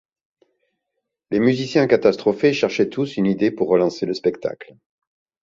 Les musiciens catastrophés cherchaient tous une idée pour relancer le spectacle.